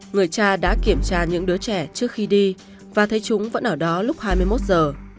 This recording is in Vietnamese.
người cha đã kiểm tra những đứa trẻ trước khi đi và thấy chúng vẫn ở đó lúc hai mươi một giờ